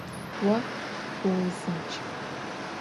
Vo vuuzınçç.